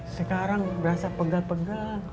sekarang berasa pegel pegel